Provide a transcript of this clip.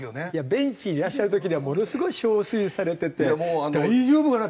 ベンチにいらっしゃる時にはものすごい憔悴されてて大丈夫かな？って。